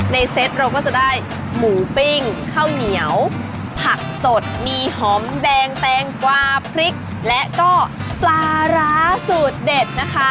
เซตเราก็จะได้หมูปิ้งข้าวเหนียวผักสดมีหอมแดงแตงกวาพริกและก็ปลาร้าสูตรเด็ดนะคะ